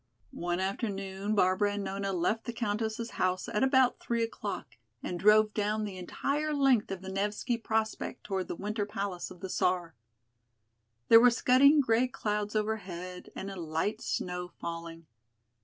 One afternoon Barbara and Nona left the Countess' house at about three o'clock and drove down the entire length of the Nevski Prospect toward the Winter Palace of the Czar. There were scudding gray clouds overhead and a light snow falling.